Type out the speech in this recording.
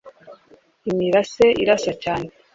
imirase irasa cyane